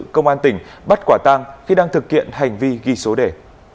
công an tỉnh bắt quả tang khi đang thực hiện hành vi ghi số đề